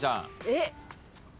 えっ。